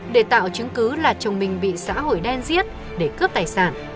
để tạo chứng cứ là chồng mình bị xã hội đen giết để cướp tài sản